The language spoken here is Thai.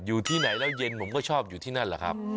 อยู่ที่ไหนแล้วเย็นผมก็ชอบอยู่ที่นั่นแหละครับ